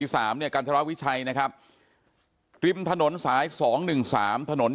สามเนี่ยกันธรวิชัยนะครับริมถนนสายสองหนึ่งสามถนน